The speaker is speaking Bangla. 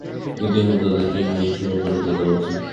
কিন্তু এখন তাদেরকে একাকী সময় কাটাতে দেওয়া উচিত।